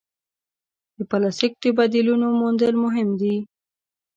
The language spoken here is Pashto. د پلاسټیک د بدیلونو موندل مهم دي.